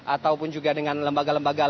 ataupun juga dengan lembaga lembaga